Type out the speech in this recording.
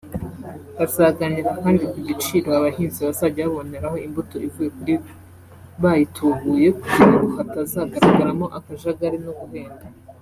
Bazaganira kandi ku giciro abahinzi bazajya baboneraho imbuto ivuye kuri bayitubuye kugira ngo hatazagaragamo akajagari no guhenda